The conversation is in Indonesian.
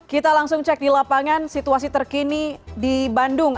kita langsung cek di lapangan situasi terkini di bandung